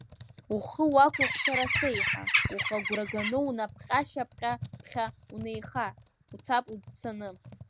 Ухы уақәгәыӷ сара сеиҳа, ухы агәра ганы унапҟьа-шьапҟьа ԥхьа уанеиха, уцап уӡсаны.